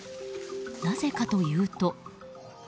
なぜかというと。